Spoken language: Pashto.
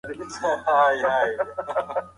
سعید ته د خپل نیکه خبرې د یو حکمت په څېر وې.